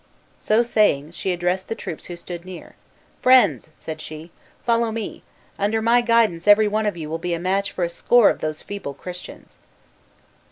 So saying, she addressed the troops who stood near, "Friends," said she, "follow me; under my guidance every one of you will be a match for a score of those feeble Christians."